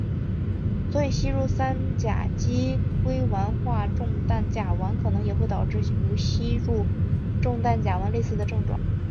所以吸入三甲基硅烷化重氮甲烷可能也会导致与吸入重氮甲烷类似的症状。